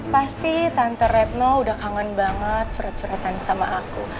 pasti tante retno udah kangen banget curet curetan sama aku